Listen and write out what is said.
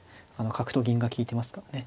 角と銀が利いてますからね